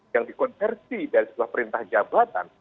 yang dikonversi dari sebuah perintah jabatan